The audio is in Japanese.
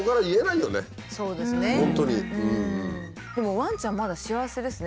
でもワンちゃんまだ幸せですね。